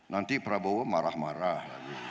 nanti prabowo marah marah